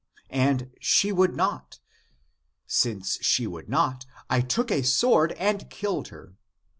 And she would not. Since she would not, I took a sword and killed her.